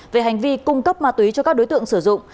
về hành vi cung cấp ma túy cho các đối tượng sử dụng